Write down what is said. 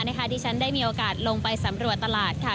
ที่ฉันได้มีโอกาสลงไปสำรวจตลาดค่ะ